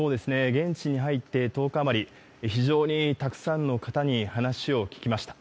現地に入って１０日余り、非常にたくさんの方に話を聞きました。